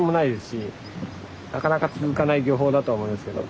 なかなか続かない漁法だとは思いますけど。